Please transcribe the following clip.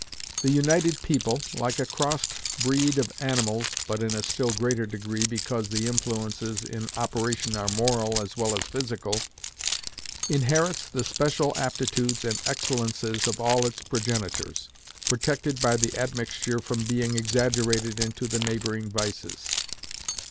The united people, like a crossed breed of animals (but in a still greater degree, because the influences in operation are moral as well as physical), inherits the special aptitudes and excellences of all its progenitors, protected by the admixture from being exaggerated into the neighboring vices.